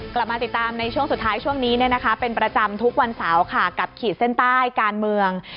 กลับมาติดตามในช่วงสุดท้ายช่วงนี้เป็นประจำทุกวันเสาร์ค่ะกับขีดเส้นใต้การเมือง